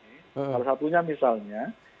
salah satunya misalnya